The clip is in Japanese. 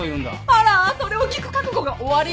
あらそれを聞く覚悟がおありで？